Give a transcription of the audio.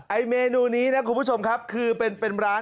เมนูนี้นะคุณผู้ชมครับคือเป็นร้าน